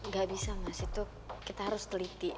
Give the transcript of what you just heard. gak bisa ngasih itu kita harus teliti